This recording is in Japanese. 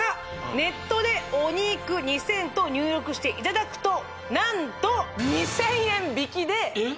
ネットで「ｏｎｉｋｕ２０００」と入力していただくと何と２０００円引きでえっ？